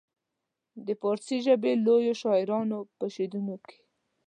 د فارسي ژبې لویو شاعرانو په شعرونو کې.